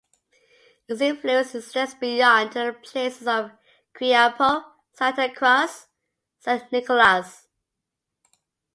Its influence extends beyond to the places of Quiapo, Santa Cruz, San Nicolas.